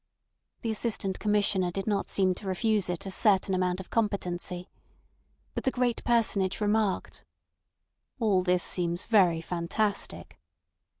The Assistant Commissioner did not seem to refuse it a certain amount of competency. But the great personage remarked: "All this seems very fantastic."